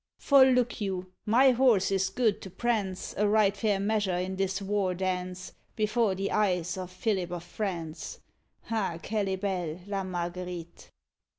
_ For, look you, my horse is good to prance A right fair measure in this war dance, Before the eyes of Philip of France; _Ah! qu'elle est belle La Marguerite.